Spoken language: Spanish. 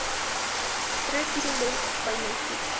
The kissing booth by Netflix